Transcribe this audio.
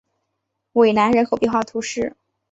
韦南人口变化图示